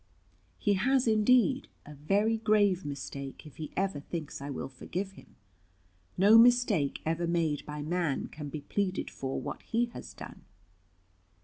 "He has, indeed, a very grave mistake, if he ever thinks I will forgive him. No mistake ever made by man can be pleaded for what he has done.